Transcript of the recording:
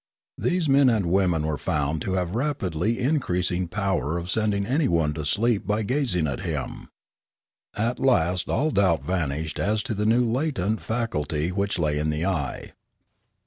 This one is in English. These men and women were found to have rapidly increasing power of sending anyone to sleep by gazing at him. At last all doubt vanished as to the new latent faculty which lay in the eye.